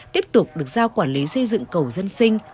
tiếp tục được giao quản lý xây dựng cầu dân sinh